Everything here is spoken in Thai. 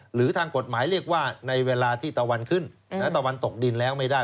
หรือทางกฎหมายเรียกว่าในเวลาที่ตะวันขึ้นตะวันตกดินแล้วไม่ได้